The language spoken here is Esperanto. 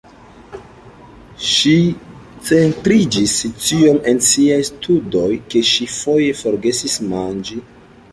Ŝi centriĝis tiom en siaj studoj ke ŝi foje forgesis manĝi.